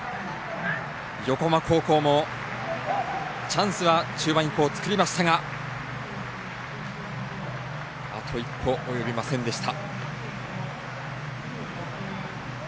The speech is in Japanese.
横浜高校もチャンスは中盤以降作りましたがあと一歩、およびませんでした。